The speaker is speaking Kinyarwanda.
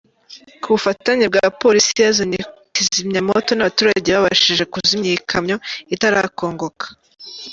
Ku bufatanye bwa polisi yazanye kizimyamwoto n’abaturage babashije kuzimya iyi kamyo itarakongoka.